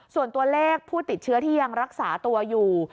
ส่วนตัวเลขผู้ติดเชื้อที่ยังรักษาตัวอยู่